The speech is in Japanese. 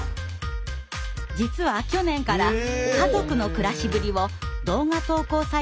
実は去年から家族の暮らしぶりを動画投稿サイトにアップしているんです。